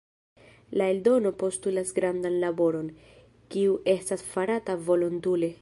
La eldono postulas grandan laboron, kiu estas farata volontule.